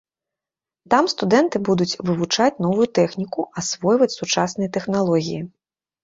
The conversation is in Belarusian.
Там студэнты будуць вывучаць новую тэхніку, асвойваць сучасныя тэхналогіі.